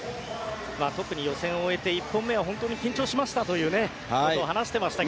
特に予選を終えて１本目は本当に緊張しましたということを話していましたが。